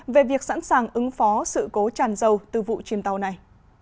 về việc sẵn sàng ứng phó sự cố tràn dầu từ vụ chìm tàu này